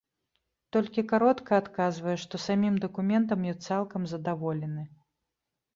Толькі каротка адказвае, што самім дакументам ён цалкам задаволены.